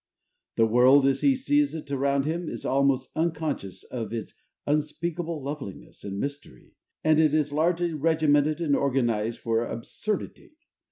The world, as he sees it around him, is almost unconscious of its unspeakable loveliness and mystery; and it is largely regimented and organized for absurdity.